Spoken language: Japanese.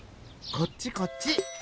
こっちこっち！